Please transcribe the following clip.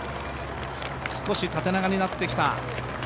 少し縦長になってきた。